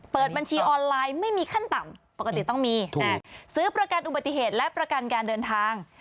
บัญชีออนไลน์ไม่มีขั้นต่ำปกติต้องมีซื้อประกันอุบัติเหตุและประกันการเดินทาง